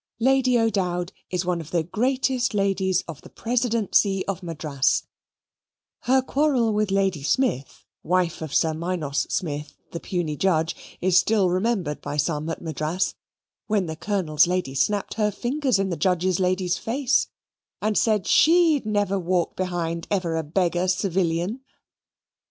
Lady O'Dowd is one of the greatest ladies in the Presidency of Madras her quarrel with Lady Smith, wife of Sir Minos Smith the puisne judge, is still remembered by some at Madras, when the Colonel's lady snapped her fingers in the Judge's lady's face and said SHE'D never walk behind ever a beggarly civilian.